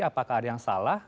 apakah ada yang salah